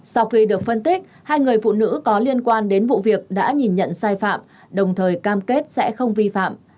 sau khi được phân tích hai người phụ nữ có liên quan đến vụ việc đã nhìn nhận sai phạm đồng thời cam kết sẽ không vi phạm